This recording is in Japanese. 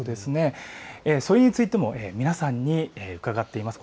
それについても皆さんに伺っています。